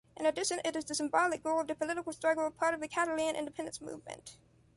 In addition, it is the symbolic goal of the political struggle of part of the Catalan independence movement.